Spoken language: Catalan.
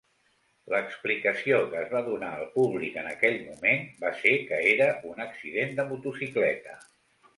L'explicació que es va donar al públic en aquell moment va ser que era un "accident de motocicleta".